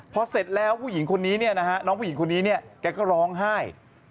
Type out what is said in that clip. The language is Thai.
พอเสร็จแล้วน้องผู้หญิงคนนี้ก็ร้องไห้